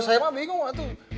saya mah bingung waktu